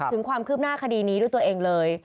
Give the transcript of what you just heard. ถึงความคืบหน้าคดีนี้ด้วยตัวเองเลย